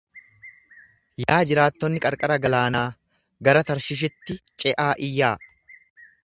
Yaa jiraattonni qarqara galaanaa, gara Tarshishitti ce'aa iyyaa.